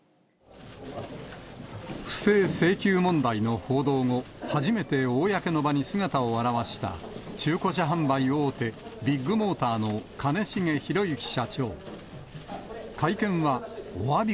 不正請求問題の報道後、初めて公の場に姿を現した、中古車販売大手、ビッグモーターの兼重宏行社長。